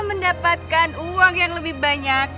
mendapatkan uang yang lebih banyak